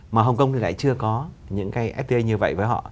mà hồng kông thì lại chưa có những cái fta như vậy với họ